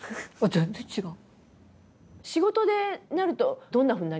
全然違う！